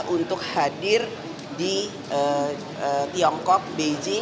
untuk hadir di tiongkok beiji